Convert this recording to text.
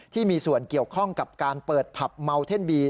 ที่มีส่วนเกี่ยวข้องกับการเปิดผับเมาเท่นบี